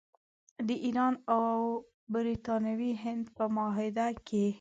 د ایران او برټانوي هند په معاهده کې.